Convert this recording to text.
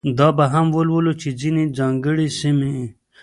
دا به هم ولولو چې ځینې ځانګړې سیمې.